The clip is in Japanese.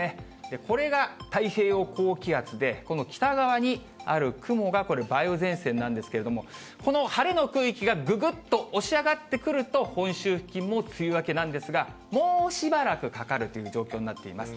これが太平洋高気圧で、この北側にある雲が、これ、梅雨前線なんですけれども、この晴れの区域がぐぐっと押し上がってくると、本州付近も梅雨明けなんですが、もうしばらくかかるという状況になっています。